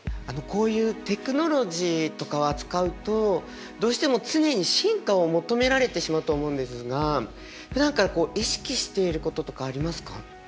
こういうテクノロジーとかを扱うとどうしても常に進化を求められてしまうと思うんですがふだんから意識していることとかありますか？